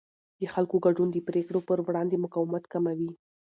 د خلکو ګډون د پرېکړو پر وړاندې مقاومت کموي